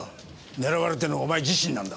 狙われてるのはお前自身なんだ。